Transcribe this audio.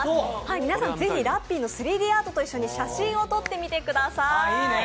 皆さん是非ラッピーの３Ｄアートともに一緒に写真撮ってみてください。